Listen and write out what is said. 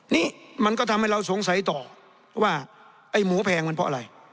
นี่มันก็ทำให้เราสงสัยต่อว่าไอ้หมูแพงมันเพราะอะไร